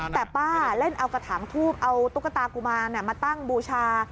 แต่ป้าเล่นเอากระถางทูบเอาตุ๊กตากุมารมาตั้งบูชา